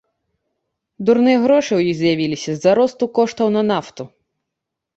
Дурныя грошы ў іх з'явіліся з-за росту коштаў на нафту.